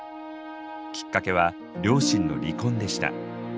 きっかけは両親の離婚でした。